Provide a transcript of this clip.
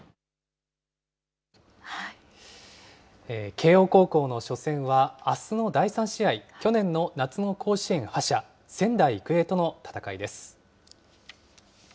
慶応高校の初戦は、あすの第３試合、去年の夏の甲子園覇者、仙台育英との戦いです。